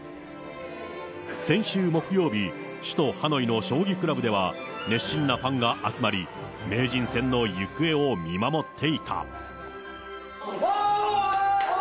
先週木曜日、首都ハノイの将棋クラブでは熱心なファンが集まり、名人戦の行方を見守っていた。